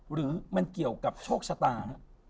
หรือมันเกี่ยวกับโชคชะตา